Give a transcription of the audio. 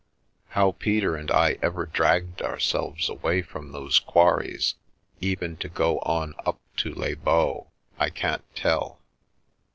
How Peter and I ever dragged ourselves away from those quarries, even to go on up to Les Baux, I can't tell.